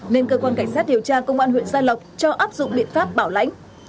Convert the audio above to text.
nên cơ quan cảnh sát điều tra công an huyện gia lộc cho áp dụng biện pháp bảo lãnh